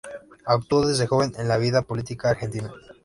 Actuó desde joven en la vida política argentina.